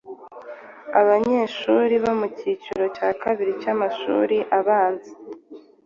Abanyeshuri bo mu cyiciro cya kabiri cy'amashuri abanza